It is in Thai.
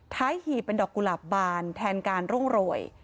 หีบเป็นดอกกุหลาบบานแทนการร่วงโรย